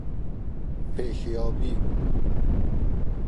پیشیابی